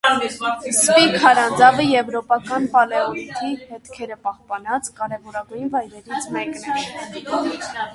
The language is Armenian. Սպի քարանձավը եվրոպական պալեոլիթի հետքերը պահպանած կարևորագույն վայրերից մեկն է։